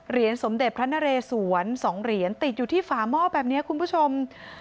สมเด็จพระนเรสวน๒เหรียญติดอยู่ที่ฝาหม้อแบบนี้คุณผู้ชม